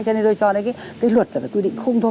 cho nên tôi cho đến cái luật là quy định không thôi